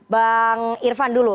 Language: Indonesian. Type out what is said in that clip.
bang irvan dulu